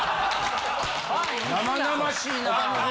生々しいなあ。